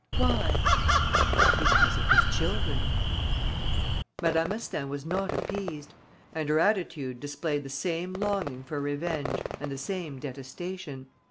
"Why?" "Because of his children." Madame Astaing was not appeased; and her attitude displayed the same longing for revenge and the same detestation.